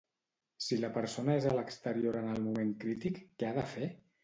Si la persona és a l'exterior en el moment crític, què ha de fer?